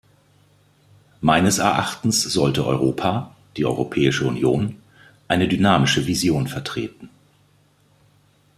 Meines Erachtens sollte Europa, die Europäische Union, eine dynamische Vision vertreten.